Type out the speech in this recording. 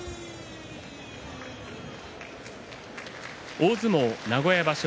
大相撲名古屋場所